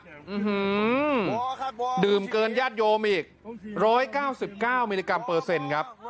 อื้อฮือดื่มเกินญาติโยมอีกร้อยเก้าสิบเก้ามิลลิกรัมเปอร์เซ็นต์ครับ